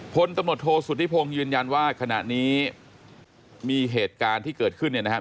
พลตำรวจโทษสุธิพงศ์ยืนยันว่าขณะนี้มีเหตุการณ์ที่เกิดขึ้นเนี่ยนะครับ